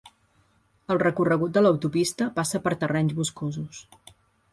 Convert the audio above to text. El recorregut de l'autopista passa per terrenys boscosos.